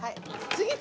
次！